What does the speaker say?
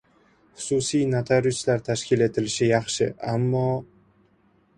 Xususiy notariuslar tashkil etilishi yaxshi, ammo...